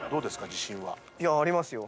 自信は。ありますよ。